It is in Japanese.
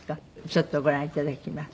ちょっとご覧頂きます。